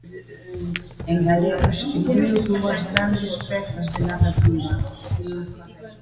En galego escribiu dúas grandes pezas de narrativa.